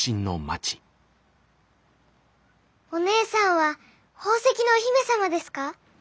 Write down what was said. おねえさんは宝石のお姫様ですか？